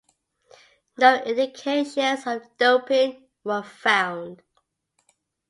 No indications of doping were found.